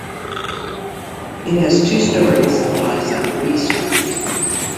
It has two stories and lies on Bree Street.